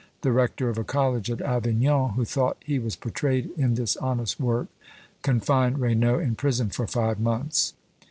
The rector of a college at Avignon, who thought he was portrayed in this honest work, confined Raynaud in prison for five months.